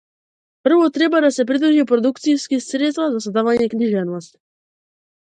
Прво треба да се имаат продукциски средства за создавање книжевност.